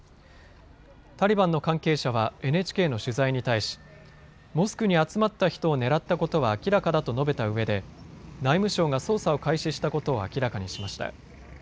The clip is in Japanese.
タリバンの関係者はＮＨＫの取材に対しモスクに集まった人を狙ったことは明らかだと述べたうえで内務省が捜査を開始したことを明らかにしました。